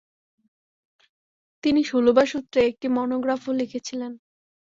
তিনি সূলবা সুত্রে একটি মনোগ্রাফও লিখেছিলেন।